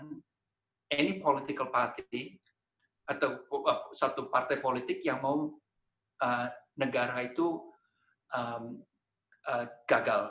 sebuah partai politik atau satu partai politik yang mau negara itu gagal